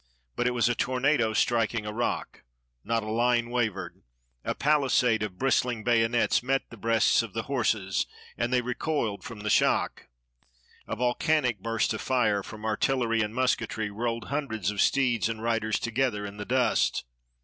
But it was a tornado striking a rock. Not a Kne wavered. A paKsade of bristling bayo nets met the breasts of the horses, and they recoiled from the shock. A volcanic burst of fire, from artillery and musketry, rolled hundreds of steeds and riders together in the dust.